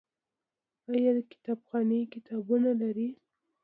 آیا کتابخانې کتابونه لري؟